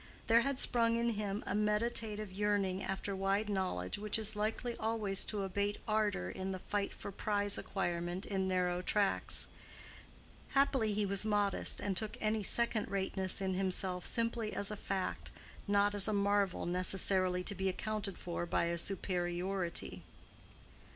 There had sprung up in him a meditative yearning after wide knowledge which is likely always to abate ardor in the fight for prize acquirement in narrow tracks. Happily he was modest, and took any second rateness in himself simply as a fact, not as a marvel necessarily to be accounted for by a superiority.